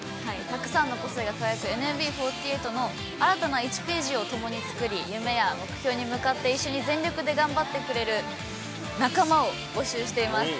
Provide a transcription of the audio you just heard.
たくさんの個性が輝くＮＭＢ４８の新たな１ページを共に作り、夢や目標に向かって一緒に全力で頑張ってくれる仲間を募集しています。